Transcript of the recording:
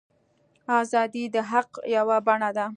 ازادي د حق یوه بڼه ده.